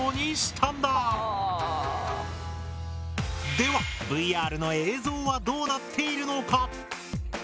ではＶＲの映像はどうなっているのか？